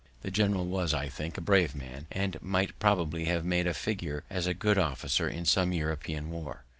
This general was, I think, a brave man, and might probably have made a figure as a good officer in some European war.